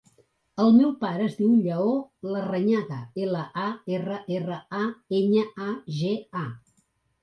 El meu pare es diu Lleó Larrañaga: ela, a, erra, erra, a, enya, a, ge, a.